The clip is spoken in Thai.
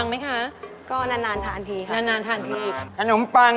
ไม่ต้องไปเสียเงินเสริมด้านกินแล้วจมูกโด่ง